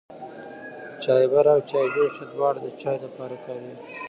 چايبر او چايجوشه دواړه د چايو د پاره کاريږي.